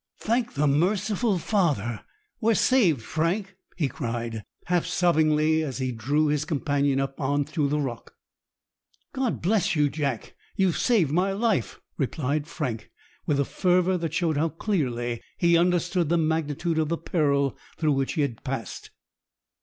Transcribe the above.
"Thank the merciful Father, we're saved, Frank!" he cried, half sobbingly, as he drew his companion up on to the rock. "God bless you, Jack! you've saved my life," replied Frank, with a fervour that showed how clearly he understood the magnitude of the peril through which he had passed.